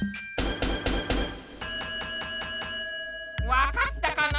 わかったかな？